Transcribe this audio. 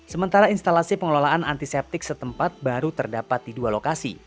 sementara instalasi pengelolaan antiseptik setempat baru terdapat di dua lokasi